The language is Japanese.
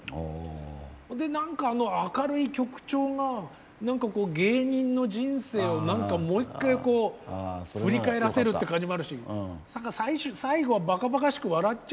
で何かあの明るい曲調が何かこう芸人の人生を何かもう１回こう振り返らせるって感じもあるし最後はバカバカしく笑っちゃおうぜっていうような気もする。